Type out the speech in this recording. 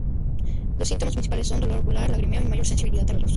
Los síntomas principales son dolor ocular, lagrimeo y mayor sensibilidad a la luz.